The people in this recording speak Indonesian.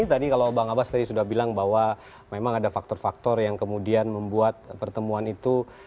tadi kalau bang abbas tadi sudah bilang bahwa memang ada faktor faktor yang kemudian membuat pertemuan itu